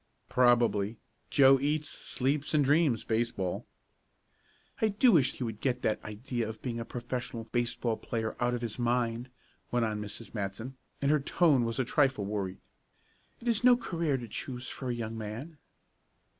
"Probably. Joe eats, sleeps and dreams baseball." "I do wish he would get that idea of being a professional baseball player out of his mind," went on Mrs. Matson, and her tone was a trifle worried. "It is no career to choose for a young man."